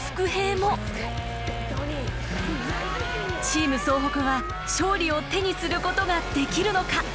チーム総北は勝利を手にすることができるのか？